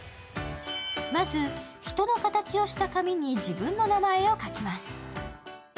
まず、人の形をした紙に自分の名前を書きます。